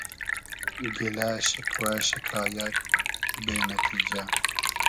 گیلۂ شیکوۂ شیکایئد بې نئتیجۂ